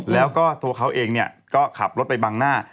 แล้วก็ตัวเขาเองก็ขับรถไปบังหน้า